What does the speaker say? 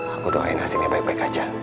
aku doain hasilnya baik baik aja